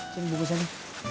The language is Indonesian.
sini buku buku sini